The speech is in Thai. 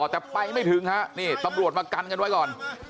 แต่ไปไม่ถึงฮะนี่ตำรวจมากันกันไว้ก่อน